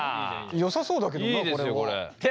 よさそうだけどなこれは。